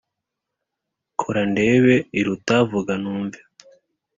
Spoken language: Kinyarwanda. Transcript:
Kora ndebe iruta vuga numve